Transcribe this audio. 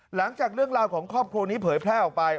หลังจากเรื่องราวของครอบครัวนี้เผยแพร่ออกไป